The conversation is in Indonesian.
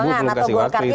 ibu belum kasih waktu itu